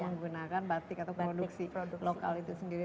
menggunakan batik atau produksi produk lokal itu sendiri